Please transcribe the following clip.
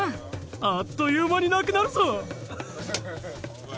あっという間になくなるぞ。